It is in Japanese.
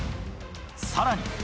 さらに。